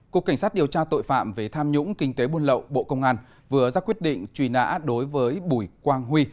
cục cảnh sát điều tra tội phạm về tham nhũng kinh tế buôn lậu bộ công an vừa ra quyết định truy nã đối với bùi quang huy